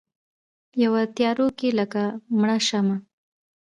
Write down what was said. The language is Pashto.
یوه تیارو کې لکه مړه شمعه